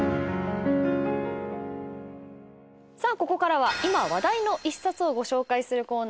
さあここからは今話題の一冊をご紹介するコーナーです。